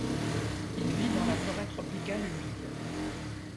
Il vit dans la forêt tropicale humide.